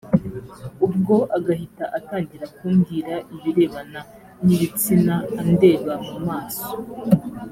ubwo agahita atangira kumbwira ibirebana n’ibitsina andeba mu maso